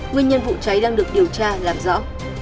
nguyên nhân vụ cháy đang được điều tra làm rõ